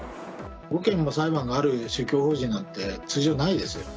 ５件の裁判がある宗教法人なんて通常ないですよ。